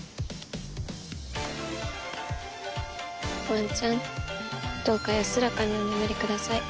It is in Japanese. ワンちゃんどうか安らかにお眠りください。